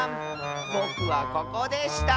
ぼくはここでした！